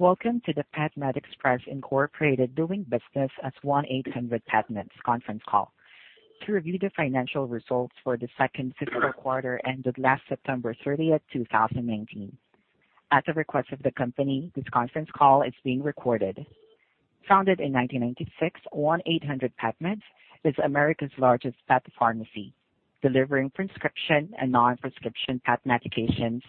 Welcome to the PetMed Express Incorporated, doing business as 1-800-PetMeds conference call to review the financial results for the second fiscal quarter ended last September 30th, 2019. At the request of the company, this conference call is being recorded. Founded in 1996, 1-800-PetMeds is America's largest pet pharmacy, delivering prescription and non-prescription pet medications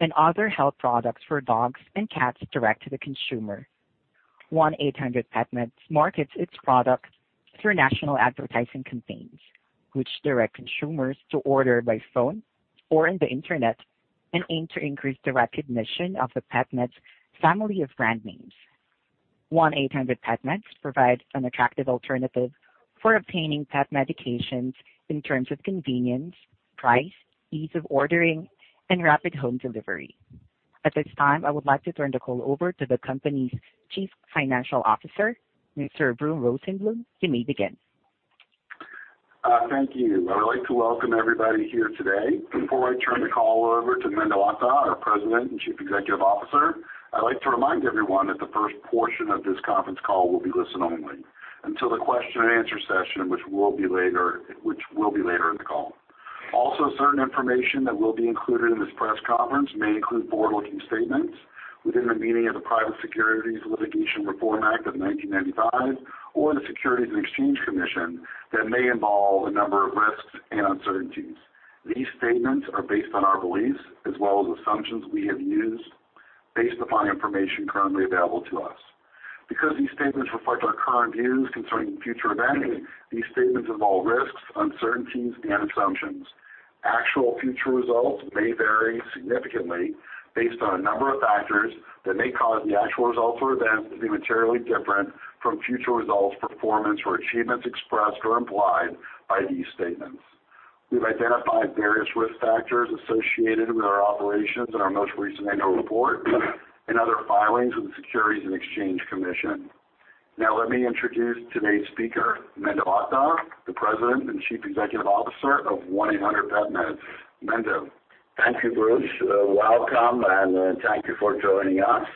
and other health products for dogs and cats direct to the consumer. 1-800-PetMeds markets its products through national advertising campaigns, which direct consumers to order by phone or on the internet, and aim to increase the recognition of the PetMeds family of brand names. 1-800-PetMeds provides an attractive alternative for obtaining pet medications in terms of convenience, price, ease of ordering, and rapid home delivery. At this time, I would like to turn the call over to the company's Chief Financial Officer, Mr. Bruce Rosenbloom. You may begin. Thank you. I'd like to welcome everybody here today. Before I turn the call over to Mendo Akdag, our President and Chief Executive Officer, I'd like to remind everyone that the first portion of this conference call will be listen only until the question and answer session, which will be later in the call. Also, certain information that will be included in this press conference may include forward-looking statements within the meaning of the Private Securities Litigation Reform Act of 1995 or the Securities and Exchange Commission that may involve a number of risks and uncertainties. These statements are based on our beliefs as well as assumptions we have used based upon information currently available to us. Because these statements reflect our current views concerning future events, these statements involve risks, uncertainties, and assumptions. Actual future results may vary significantly based on a number of factors that may cause the actual results or events to be materially different from future results, performance, or achievements expressed or implied by these statements. We've identified various risk factors associated with our operations in our most recent annual report and other filings with the Securities and Exchange Commission. Now let me introduce today's speaker, Mendo Akdag, the President and Chief Executive Officer of 1-800-PetMeds. Mendo. Thank you, Bruce. Welcome, and thank you for joining us.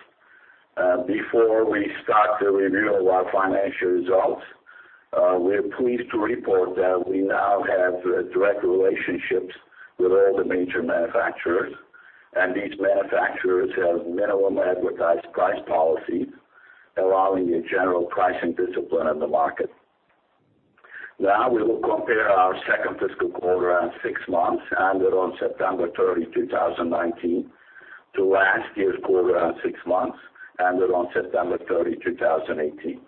Before we start the review of our financial results, we are pleased to report that we now have direct relationships with all the major manufacturers, and these manufacturers have minimum advertised price policy, allowing a general pricing discipline in the market. Now, we will compare our second fiscal quarter and six months ended on September 30, 2019, to last year's quarter and six months ended on September 30, 2018.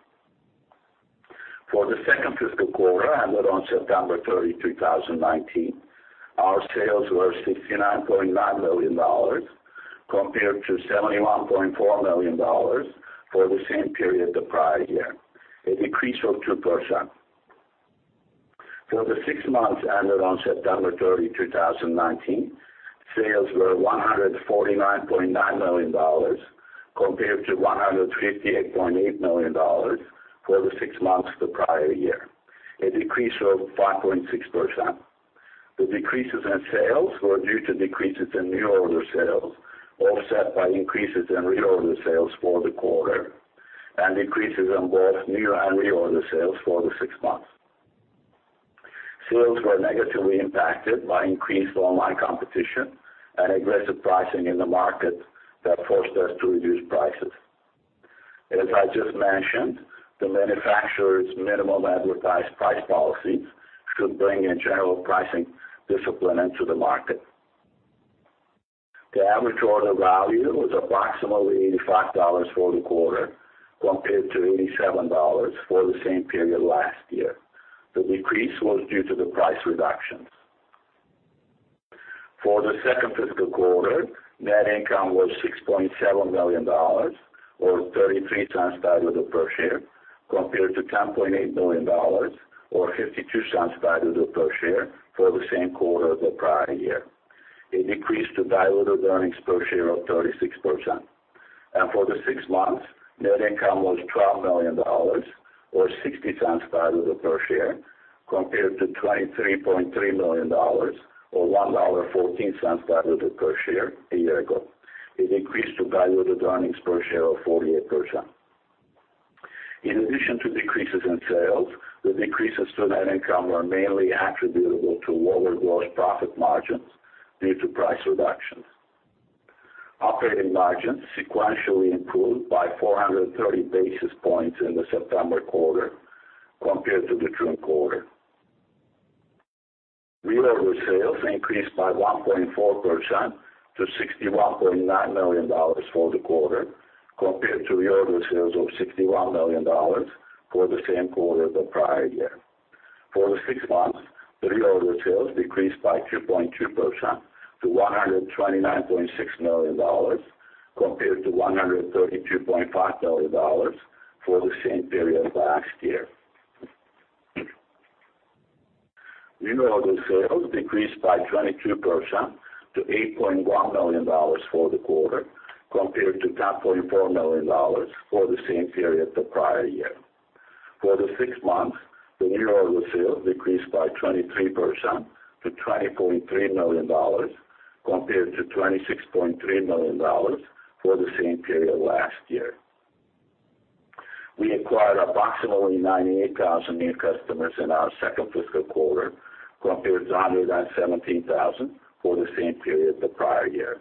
For the second fiscal quarter ended on September 30, 2019, our sales were $69.9 million compared to $71.4 million for the same period the prior year, a decrease of 2%. For the six months ended on September 30, 2019, sales were $149.9 million compared to $158.8 million for the six months the prior year, a decrease of 5.6%. The decreases in sales were due to decreases in new order sales, offset by increases in reorder sales for the quarter and decreases in both new and reorder sales for the six months. Sales were negatively impacted by increased online competition and aggressive pricing in the market that forced us to reduce prices. As I just mentioned, the manufacturer's minimum advertised price policy should bring a general pricing discipline into the market. The average order value was approximately $85 for the quarter, compared to $87 for the same period last year. The decrease was due to the price reductions. For the second fiscal quarter, net income was $6.7 million, or $0.33 diluted per share, compared to $10.8 million or $0.52 diluted per share for the same quarter the prior year. A decrease to diluted earnings per share of 36%. For the six months, net income was $12 million, or $0.60 diluted per share, compared to $23.3 million or $1.14 diluted per share a year ago. A decrease to diluted earnings per share of 48%. In addition to decreases in sales, the decreases to net income were mainly attributable to lower gross profit margins due to price reductions. Operating margins sequentially improved by 430 basis points in the September quarter compared to the June quarter. Reorder sales increased by 1.4% to $61.9 million for the quarter, compared to reorder sales of $61 million for the same quarter the prior year. For the six months, reorder sales decreased by 2.2% to $129.6 million, compared to $132.5 million for the same period last year. New order sales decreased by 22% to $8.1 million for the quarter, compared to $10.4 million for the same period the prior year. For the six months, the year-over-sale decreased by 23% to $20.3 million compared to $26.3 million for the same period last year. We acquired approximately 98,000 new customers in our second fiscal quarter, compared to 117,000 for the same period the prior year.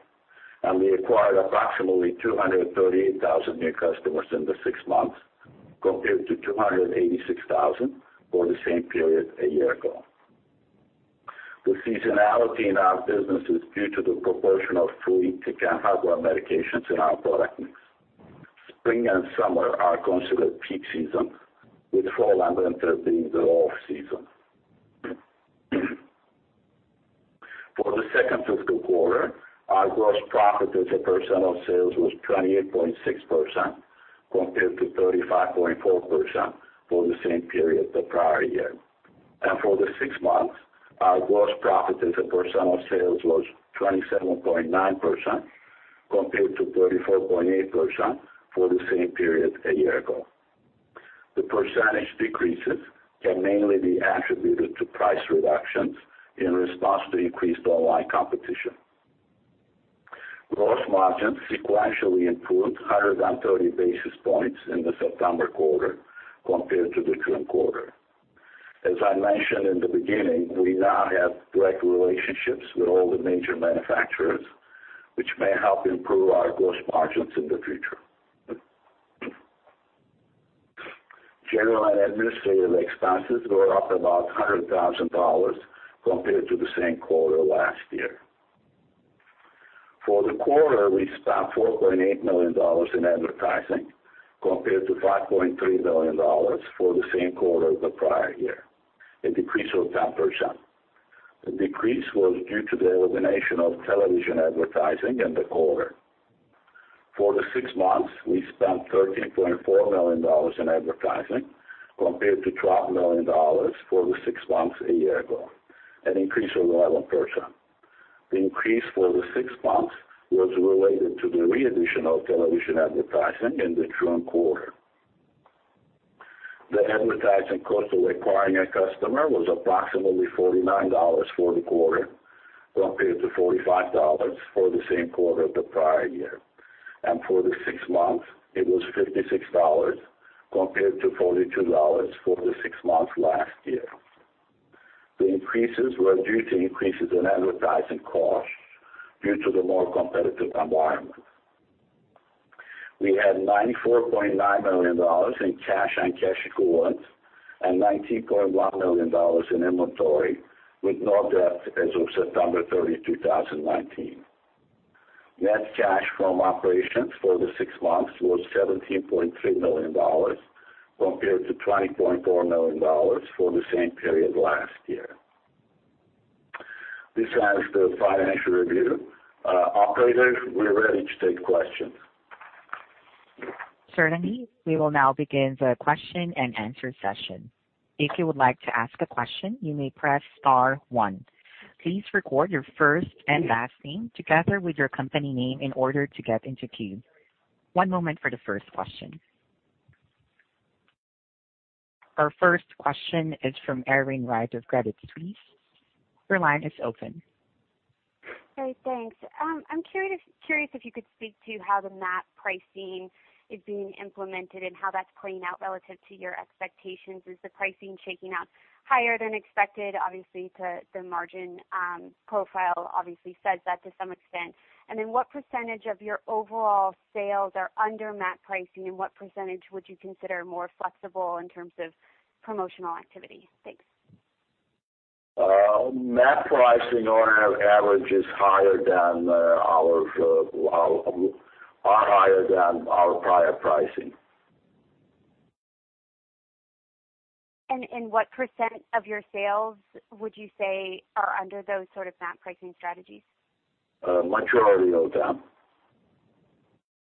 We acquired approximately 238,000 new customers in the six months, compared to 286,000 for the same period a year ago. The seasonality in our business is due to the proportion of flea, tick, and heartworm medications in our product mix. Spring and summer are considered peak season, with fall and winter being the off-season. For the second fiscal quarter, our gross profit as a percent of sales was 28.6% compared to 35.4% for the same period the prior year. For the six months, our gross profit as a percent of sales was 27.9% compared to 34.8% for the same period a year ago. The percentage decreases can mainly be attributed to price reductions in response to increased online competition. Gross margin sequentially improved higher than 30 basis points in the September quarter compared to the prior quarter. As I mentioned in the beginning, we now have direct relationships with all the major manufacturers, which may help improve our gross margins in the future. General and administrative expenses were up about $100,000 compared to the same quarter last year. For the quarter, we spent $4.8 million in advertising compared to $5.3 million for the same quarter the prior year, a decrease of 10%. The decrease was due to the elimination of television advertising in the quarter. For the six months, we spent $13.4 million in advertising compared to $12 million for the six months a year ago, an increase of 11%. The increase for the six months was related to the re-addition of television advertising in the prior quarter. The advertising cost of acquiring a customer was approximately $49 for the quarter compared to $45 for the same quarter the prior year. For the six months, it was $56 compared to $42 for the six months last year. The increases were due to increases in advertising costs due to the more competitive environment. We had $94.9 million in cash and cash equivalents and $19.1 million in inventory, with no debt as of September 30, 2019. Net cash from operations for the six months was $17.3 million compared to $20.4 million for the same period last year. This ends the financial review. Operators, we are ready to take questions. Certainly. We will now begin the question and answer session. If you would like to ask a question, you may press star one. Please record your first and last name together with your company name in order to get into queue. One moment for the first question. Our first question is from Erin Wright of Credit Suisse. Your line is open. Great. Thanks. I'm curious if you could speak to how the MAP pricing is being implemented and how that's playing out relative to your expectations. Is the pricing shaking out higher than expected? Obviously, the margin profile obviously says that to some extent. What % of your overall sales are under MAP pricing, and what % would you consider more flexible in terms of promotional activity? Thanks. MAP pricing on average is higher than our prior pricing. What percent of your sales would you say are under those sort of MAP pricing strategies? Much earlier down.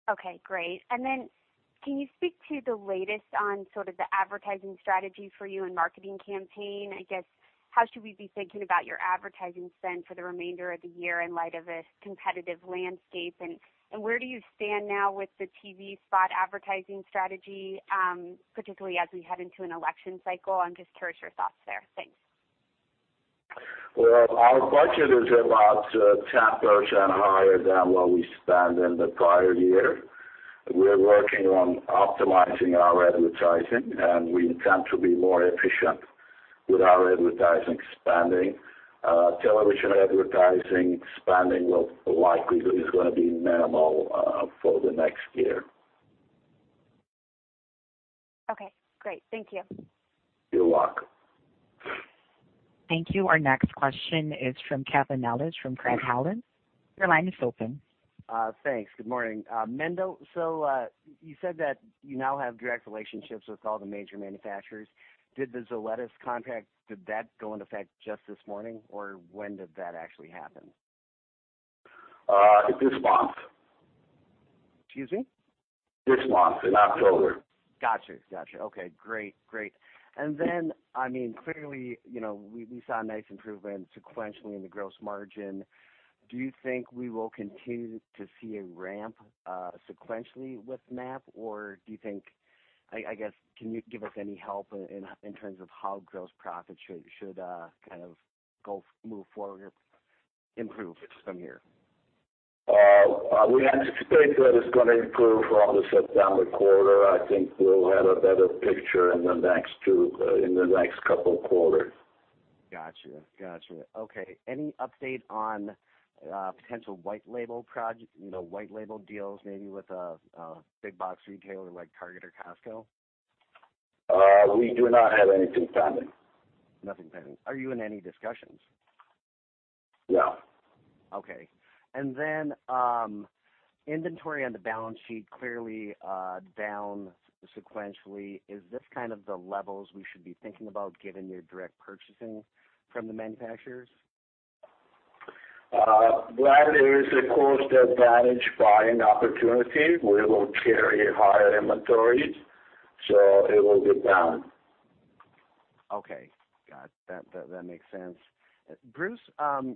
Okay, great. Can you speak to the latest on sort of the advertising strategy for you and marketing campaign? I guess, how should we be thinking about your advertising spend for the remainder of the year in light of a competitive landscape, and where do you stand now with the TV spot advertising strategy, particularly as we head into an election cycle? I'm just curious your thoughts there. Thanks. Well, our budget is about 10% higher than what we spent in the prior year. We're working on optimizing our advertising, and we intend to be more efficient with our advertising spending. Television advertising spending likelihood is going to be minimal for the next year. Okay, great. Thank you. You're welcome. Thank you. Our next question is from Kevin Ellich from Craig-Hallum. Your line is open. Thanks. Good morning. Mendo, you said that you now have direct relationships with all the major manufacturers. Did the Zoetis contract, did that go into effect just this morning, or when did that actually happen? This month. Excuse me? This month, in October. Got you. Okay, great. Clearly, we saw a nice improvement sequentially in the gross margin. Do you think we will continue to see a ramp sequentially with MAP? Can you give us any help in terms of how gross profit should move forward or improve from here? We anticipate that it's going to improve from the September quarter. I think we'll have a better picture in the next couple of quarters. Got you. Okay. Any update on potential white label deals, maybe with a big box retailer like Target or Costco? We do not have anything pending. Nothing pending. Are you in any discussions? No. Okay. Inventory on the balance sheet, clearly down sequentially. Is this the levels we should be thinking about given your direct purchasing from the manufacturers? That is, of course, the advantage buying opportunity. We will carry higher inventories, so it will be down. Okay. Got it. That makes sense. Bruce,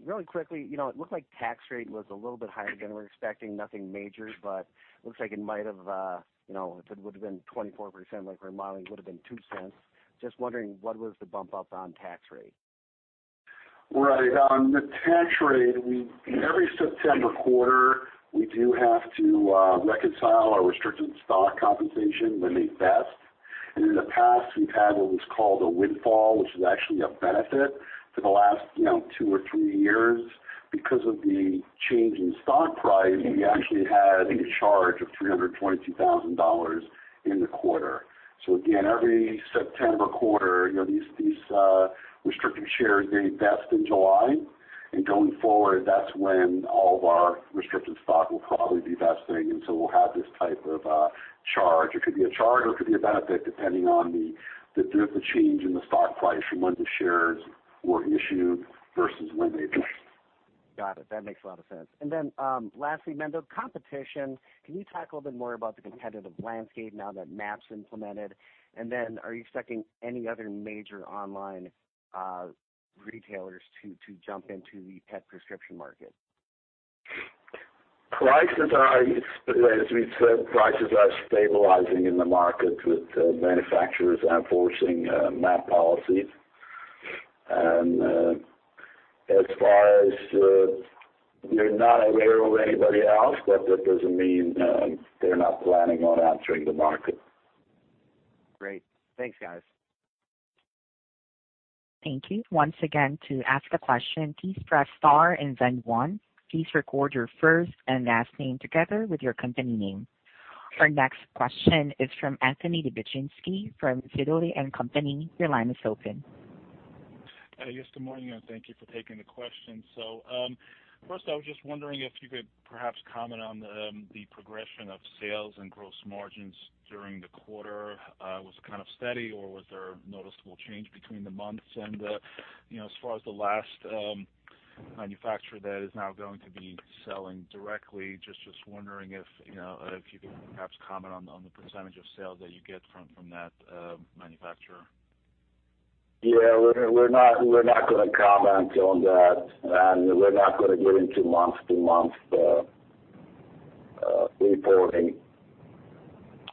really quickly, it looked like tax rate was a little bit higher than we're expecting. Nothing major, but looks like it might have, if it would've been 24% like we're modeling, it would've been $0.02. Just wondering, what was the bump up on tax rate? Right. On the tax rate, every September quarter, we do have to reconcile our restricted stock compensation when they vest. In the past, we've had what was called a windfall, which is actually a benefit for the last two or three years. Because of the change in stock price, we actually had a charge of $322,000 in the quarter. Again, every September quarter, these restricted shares, they vest in July. Going forward, that's when all of our restricted stock will probably be vesting, we'll have this type of charge. It could be a charge or it could be a benefit, depending on the difference in change in the stock price from when the shares were issued versus when they vest. Got it. That makes a lot of sense. Lastly, Mendo, competition. Can you talk a little bit more about the competitive landscape now that MAP's implemented? Are you expecting any other major online retailers to jump into the pet prescription market? Prices are, as we've said, prices are stabilizing in the market with the manufacturers enforcing MAP policies. We're not aware of anybody else, that doesn't mean they're not planning on entering the market. Great. Thanks, guys. Thank you. Once again, to ask a question, please press star and then one. Please record your first and last name together with your company name. Our next question is from Anthony Lebiedzinski from Sidoti & Company. Your line is open. Yes, good morning. Thank you for taking the question. First I was just wondering if you could perhaps comment on the progression of sales and gross margins during the quarter. Was it kind of steady, or was there a noticeable change between the months? As far as the last manufacturer that is now going to be selling directly, just wondering if you could perhaps comment on the percentage of sales that you get from that manufacturer. We're not going to comment on that, and we're not going to get into month-to-month reporting.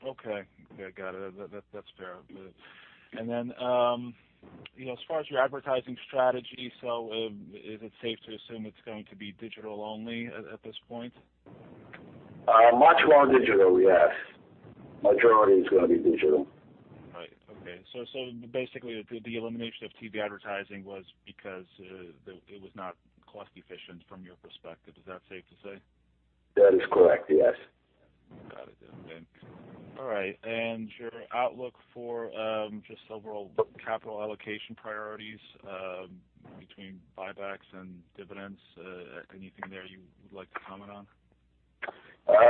Okay. Got it. That's fair. As far as your advertising strategy, is it safe to assume it's going to be digital only at this point? Much more digital, yes. Majority is going to be digital. Right. Okay. Basically, the elimination of TV advertising was because it was not cost efficient from your perspective. Is that safe to say? That is correct, yes. Got it. Okay. All right, your outlook for just overall capital allocation priorities between buybacks and dividends, anything there you would like to comment on?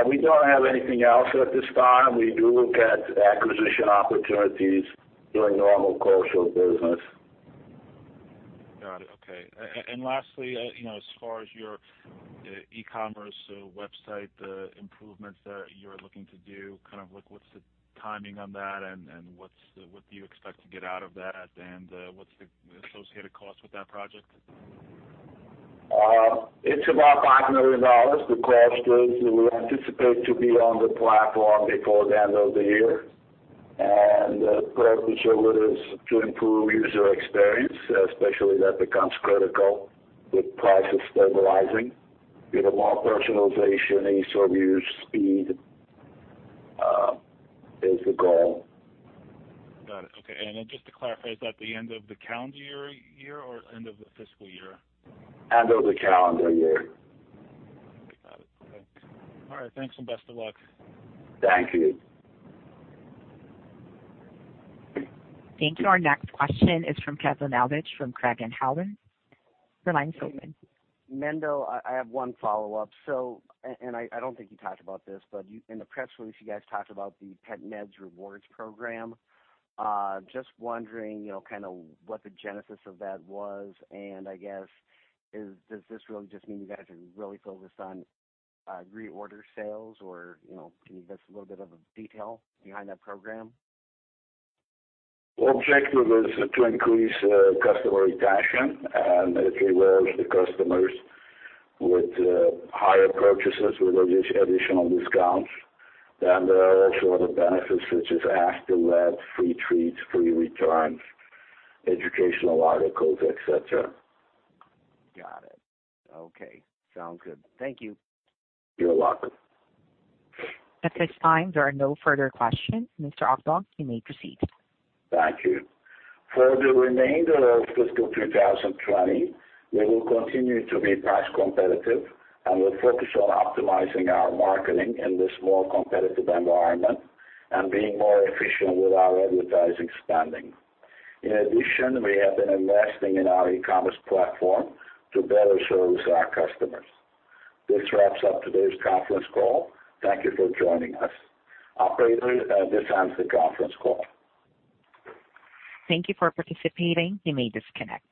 We don't have anything else at this time. We do look at acquisition opportunities during normal course of business. Got it. Okay. Lastly, as far as your e-commerce website improvements that you're looking to do, what's the timing on that and what do you expect to get out of that, and what's the associated cost with that project? It's about $5 million, the cost is. We anticipate to be on the platform before the end of the year. The purpose of it is to improve user experience, especially that becomes critical with prices stabilizing. We have more personalization, ease of use, speed is the goal. Got it. Okay. Just to clarify, is that the end of the calendar year or end of the fiscal year? End of the calendar year. Got it. Okay. All right, thanks and best of luck. Thank you. Thank you. Our next question is from Kevin Ellich from Craig-Hallum. Your line is open. Mendo, I have one follow-up. I don't think you talked about this, but in the press release, you guys talked about the PetMeds Rewards Program. Just wondering what the genesis of that was, and I guess, does this really just mean you guys are really focused on reorder sales or can you give us a little bit of a detail behind that program? Objective is to increase customer retention, it rewards the customers with higher purchases, with additional discounts. There are also other benefits such as Ask the Vet, free treats, free returns, educational articles, et cetera. Got it. Okay. Sounds good. Thank you. You're welcome. At this time, there are no further questions. Mr. Akdag, you may proceed. Thank you. For the remainder of fiscal 2020, we will continue to be price competitive and will focus on optimizing our marketing in this more competitive environment and being more efficient with our advertising spending. In addition, we have been investing in our e-commerce platform to better service our customers. This wraps up today's conference call. Thank you for joining us. Operator, at this time, end the conference call. Thank you for participating. You may disconnect.